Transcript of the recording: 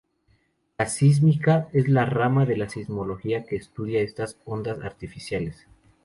La sísmica es la rama de la sismología que estudia estas ondas artificiales.